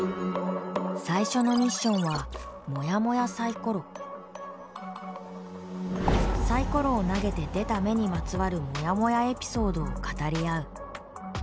最初のミッションはサイコロを投げて出た目にまつわるモヤモヤエピソードを語り合う。